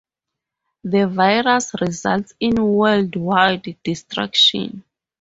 The virus results in worldwide destruction.